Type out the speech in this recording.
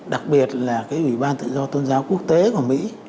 đặc biệt là cái ủy ban tự do tôn giáo quốc tế của mỹ